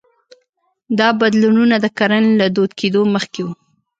دا بدلونونه د کرنې له دود کېدو مخکې وو